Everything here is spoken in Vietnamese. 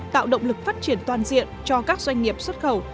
tạo động lực phát triển toàn diện cho các doanh nghiệp xuất khẩu